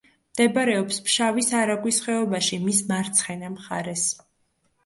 მდებარეობს ფშავის არაგვის ხეობაში, მის მარცხენა მხარეს.